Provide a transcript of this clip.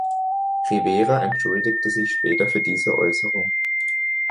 Rivera entschuldigte sich später für diese Äußerung.